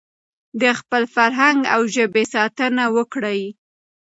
د خپل فرهنګ او ژبې ساتنه وکړئ.